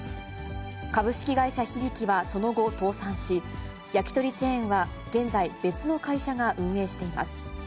株式会社ひびきはその後、倒産し、焼き鳥チェーンは現在、別の会社が運営しています。